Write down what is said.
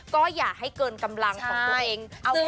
ก็อย่าให้เกินกำลังของตัวเอง